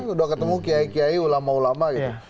sudah ketemu kiai kiai ulama ulama gitu